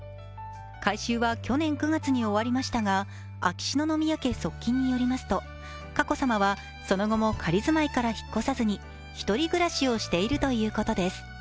改修は去年９月に終わりましたが秋篠宮家側近によりますと佳子さまはその後も仮住まいから引っ越さずに、１人暮らしをしているということです。